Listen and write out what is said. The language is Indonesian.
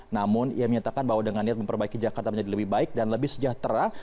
namun ia menyatakan bahwa dengan niat memperbaiki jakarta menjadi lebih baik dan lebih sejahtera